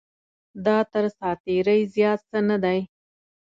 دا تر ساعت تېرۍ زیات څه نه دی.